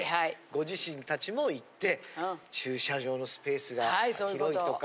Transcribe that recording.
ご自身達も行って駐車場のスペースが広いとか。